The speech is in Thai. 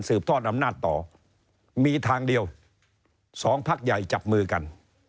ทอดอำนาจต่อมีทางเดียวสองพักใหญ่จับมือกัน